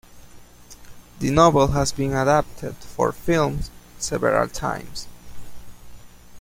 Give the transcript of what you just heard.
The novel has been adapted for film several times.